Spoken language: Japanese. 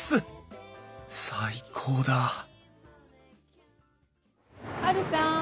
最高だハルさん。